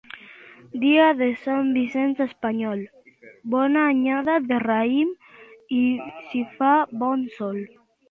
Dia de Sant Vicenç Espanyol, bona anyada de raïm si fa bon sol.